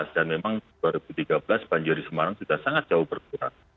dan memang tahun dua ribu tiga belas banjir di semarang sudah sangat jauh berkurang